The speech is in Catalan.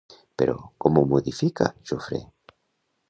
Però, com ho modifica Jofré?